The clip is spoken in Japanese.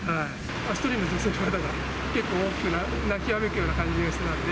１人の女性の方が結構、大きく泣きわめくような感じがしてたんで。